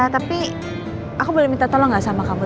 tapi aku boleh minta tolong gak sama kamu